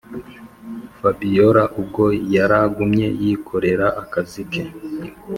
fabiora ubwo yaragumye yikorera akazi ke